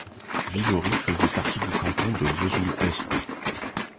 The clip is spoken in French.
Vilory faisait partie du canton de Vesoul-Est.